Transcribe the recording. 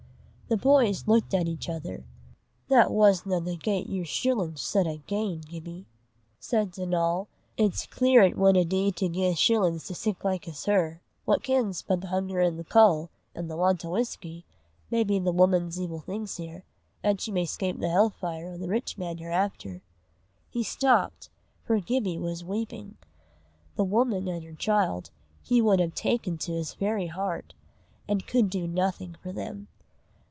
The boys looked at each other. "That wasna the gait yer shillin' sud hae gane, Gibbie," said Donal. "It's clear it winna dee to gie shillin's to sic like as her. Wha kens but the hunger an' the caul', an' the want o' whusky may be the wuman's evil things here, 'at she may 'scape the hellfire o' the Rich Man hereafter?" He stopped, for Gibbie was weeping. The woman and her child he would have taken to his very heart, and could do nothing for them.